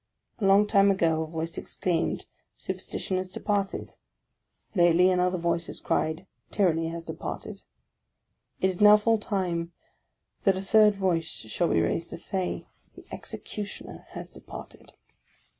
A long time ago a voice exclaimed, " Superstition has departed !" Lately another voice has cried, " Tyranny has departed !" It is now full timo that a third voice shall be raised to say, " The Execu tioner has departed